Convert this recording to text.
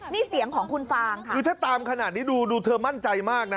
นี่เสียงของคุณฟางค่ะคือถ้าตามขนาดนี้ดูดูเธอมั่นใจมากนะ